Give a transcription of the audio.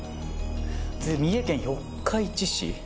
三重県四日市市。